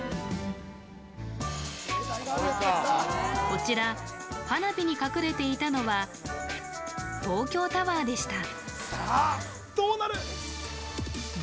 こちら、花火に隠れていたのは東京タワーでした。